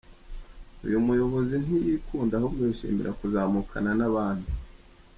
Uyu muyobozi ntiyikunda ahubwo yishimira kuzamukana n’abandi.